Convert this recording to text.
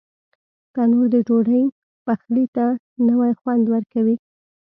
تنور د ډوډۍ پخلي ته نوی خوند ورکوي